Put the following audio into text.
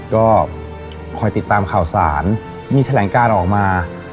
ก็คอยติดตามข่าวสารมีแถลงการออกมา